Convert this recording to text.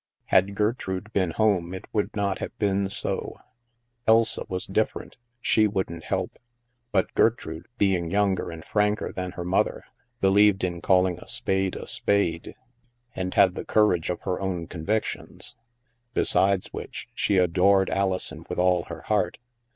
Had Gertrude been home, it would not have been so ; Elsa was different, she wouldn't help ; but Ger trude, being younger and franker than her mother, believed in calling a spade a spade, and had the courage of her own convictions. Besides which, she adored Alison with all her heart.